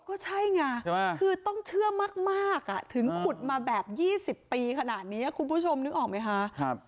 ก็ใช่ไงคือต้องเชื่อมากถึงขุดมาแบบ๒๐ปีขนาดนี้คุณผู้ชมนึกออกไหมคะ